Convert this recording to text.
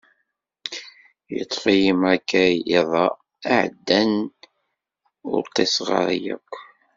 Yeṭṭef-iyi makay iḍ-a iɛeddan, ur ṭṭiseɣ ara yakk.